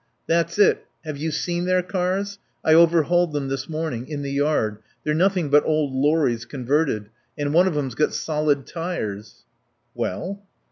"That's it. Have you seen their cars? I overhauled them this morning, in the yard. They're nothing but old lorries, converted. And one of 'em's got solid tyres." "Well?"